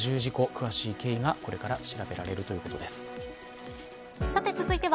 詳しい経緯がこれから調べられるということです。